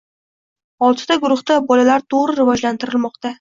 Oltita guruhda bolalar toʻgʻri “rivojlantirilmoqda”.